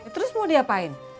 terus mau diapain